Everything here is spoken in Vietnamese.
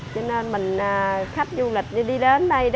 cho nên mình khách du lịch đi đến đây